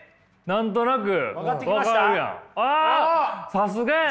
さすがや。